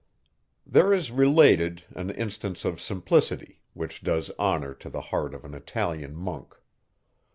There is related an instance of simplicity, which does honour to the heart of an Italian monk.